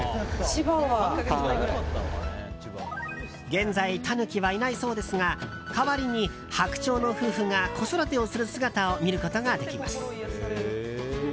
現在タヌキはいないそうですが代わりに、ハクチョウの夫婦が子育てをする姿を見ることができます。